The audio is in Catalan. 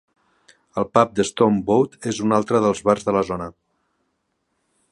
El pub The Stone Boat és un altre dels bars de la zona.